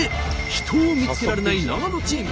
秘湯を見つけられない長野チーム。